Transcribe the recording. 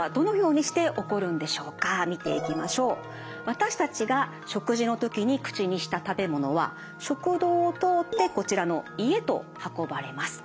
私たちが食事の時に口にした食べ物は食道を通ってこちらの胃へと運ばれます。